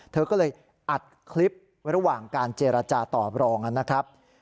เธอก็เลยอัดคลิประหว่างการเจรจาตอบรองนะครับ